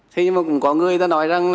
thế nhưng mà cũng có người ta nói rằng